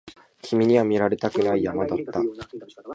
君には見られたくない山だった